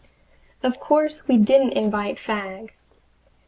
Of course we didn't invite Fagg.